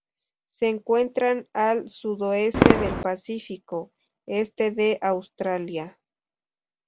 Se encuentran al sudoeste del Pacífico: este de Australia.